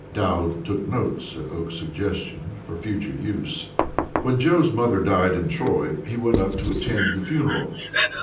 Dowd took notes, at Oakes's suggestion, for future use. When Joe's mother died in Troy, he went up to attend the funeral.